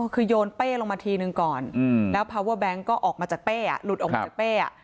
คือโยนเป้ลงมาทีนึงก่อนแล้วพาเวอร์แบงค์ก็ออกมาจากเป้หลุดออกมาจากเป้